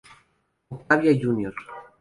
Octavia Jr.